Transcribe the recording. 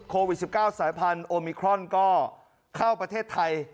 โควิด๑๙สายพันธุมิครอนก็เข้าประเทศไทย